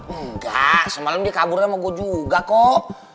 enggak semalam dia kabur sama gue juga kok